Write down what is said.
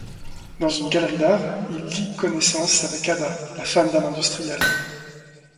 Dans une galerie d'art, il lie connaissance avec Ada, la femme d'un industriel.